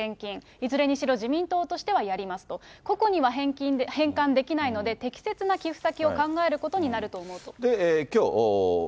いずれにしろ自民党としてはやりますと、ここには返還できないので、適切な寄付先を考えることになると思うと。